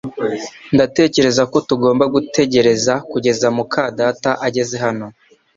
Ndatekereza ko tugomba gutegereza kugeza muka data ageze hano